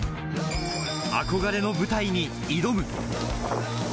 憧れの舞台に挑む。